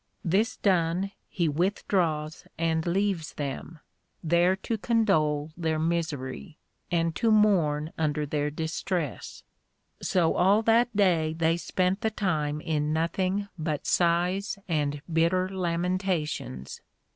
This done, he withdraws and leaves them, there to condole their misery, and to mourn under their distress: so all that day they spent the time in nothing but sighs and bitter lamentations.